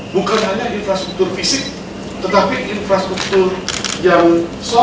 bukan hanya infrastruktur fisik tetapi infrastruktur yang selama ini